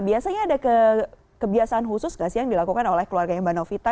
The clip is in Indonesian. biasanya ada kebiasaan khusus nggak sih yang dilakukan oleh keluarganya mbak novita